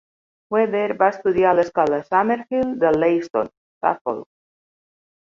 Weber va estudiar a l'escola Summerhill de Leiston, Suffolk.